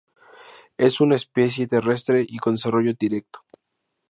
Es una especie terrestre y con desarrollo directo.